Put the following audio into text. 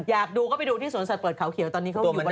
อยากดูก็ไปดูที่สวนสัตว์เปิดเขาเขียวตอนนี้เขาอยู่